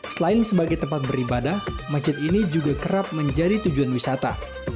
selain sebagai tempat beribadah masjid ini juga kerap menjadi tujuan wisata